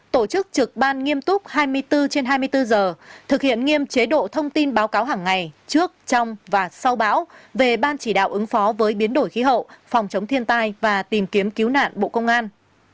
tổ chức trực ban nghiêm túc hai mươi bốn trên hai mươi bốn giờ thực hiện nghiêm chế độ thông tin báo cáo hàng ngày trước trong và sau bão về ban chỉ đạo ứng phó với biến đổi khí hậu phòng chống thiên tai và tìm kiếm cứu nạn bộ công an